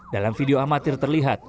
dalam video amatir terlihat